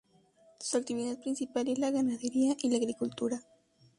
Su actividad principal es la ganadería y la agricultura.